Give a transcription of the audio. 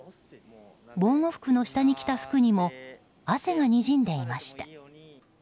防護服の下に着た服にも汗がにじんでいました。